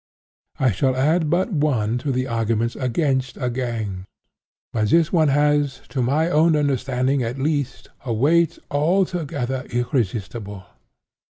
"I shall add but one to the arguments against a gang; but this one has, to my own understanding at least, a weight altogether irresistible.